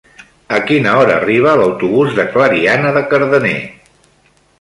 A quina hora arriba l'autobús de Clariana de Cardener?